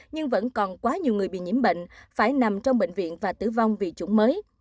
nhưng vẫn còn quá nhiều người bị nhiễm bệnh phải nằm trong bệnh viện và tử vong vì chủng mới